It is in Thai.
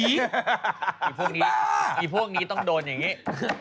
พวกนี้อีพวกนี้ต้องโดนอย่างนี้